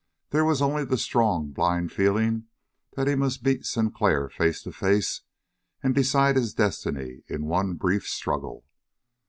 There was only the strong, blind feeling that he must meet Sinclair face to face and decide his destiny in one brief struggle.